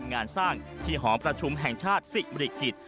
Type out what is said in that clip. งานสร้างที่หอประชุมแห่งชาติศิริกิจ